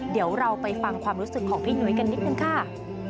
เดี๋ยวเราไปฟังความรู้สึกของพี่หนุ้ยกันนิดนึงค่ะ